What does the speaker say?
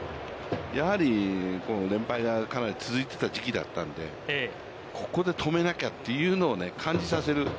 やはり連敗が続いてた時期なので、ここで止めなきゃというのを感じさせる。